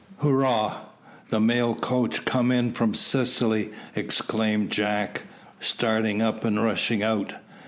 "Hurrah! the mail coach come in from Sicily," exclaimed Jack, starting up and rushing out.